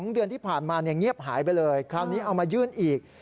๒เดือนที่ผ่านมาเงียบหายไปเลยคราวนี้เอามายื่นอีก